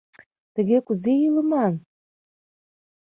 Тыге кузе илыман?!